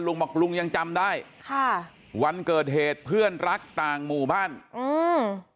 ลุงบอกลุงยังจำได้ค่ะวันเกิดเหตุเพื่อนรักต่างหมู่บ้านอืม